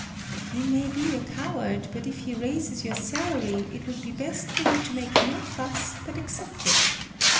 "He may be a coward, but if he raises your salary, it would be best for you to make no fuss, but accept it.